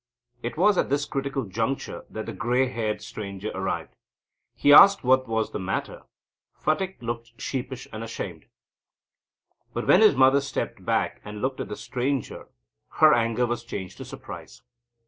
It was just at this critical juncture that the grey haired stranger arrived. He asked what was the matter. Phatik looked sheepish and ashamed. But when his mother stepped back and looked at the stranger, her anger was changed to surprise.